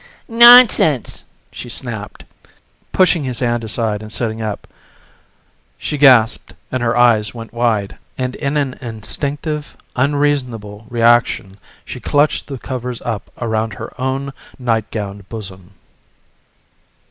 "Nonsense!" she snapped, pushing his hand aside and sitting up. She gasped and her eyes went wide, and in an instinctive, unreasonable reaction she clutched the covers up around her own nightgowned bosom.